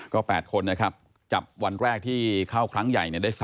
ก็๘คนนะครับจับวันแรกที่เข้าครั้งใหญ่ได้๓